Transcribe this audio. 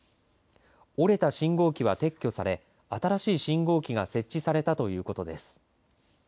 折れた信号機は撤去され新しい信号機が設置されたということです。